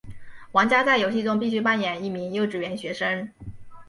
玩家在游戏中必须扮演一名幼稚园学生。